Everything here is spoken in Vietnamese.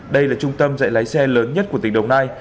đây là trung tâm dạy lái xe lớn nhất của tỉnh đồng nai